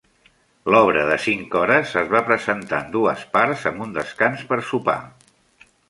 L'obra de cinc hores es va presentar en dues parts amb un descans per sopar.